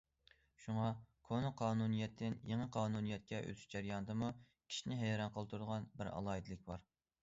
شۇڭا كونا قانۇنىيەتتىن يېڭى قانۇنىيەتكە ئۆتۈش جەريانىدىمۇ كىشىنى ھەيران قالدۇرىدىغان بىر ئالاھىدىلىك بار.